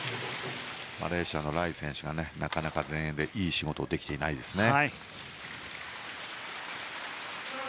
マレーシアのライ選手がなかなか前衛でいい仕事ができていないですね。